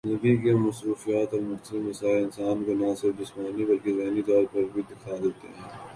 زندگی کی مصروفیات اور مختلف مسائل انسان کو نہ صرف جسمانی بلکہ ذہنی طور پر بھی تھکا دیتے ہیں